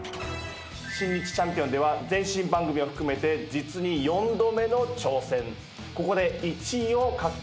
『新日ちゃんぴおん。』では前身番組を含めて実に４度目の挑戦。